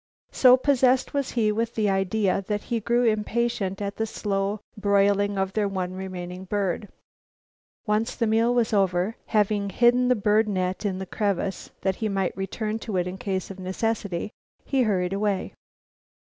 So possessed was he with the idea that he grew impatient at the slow broiling of their one remaining bird. Once the meal was over, having hidden the bird net in the crevice, that he might return to it in case of necessity, he hurried away.